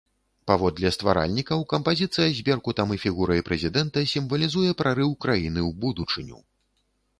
Паводле стваральнікаў, кампазіцыя з беркутам і фігурай прэзідэнта сімвалізуе прарыў краіны ў будучыню.